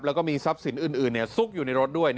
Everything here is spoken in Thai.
แล้วก็มีทรัพย์สินอื่นซุกอยู่ในรถด้วย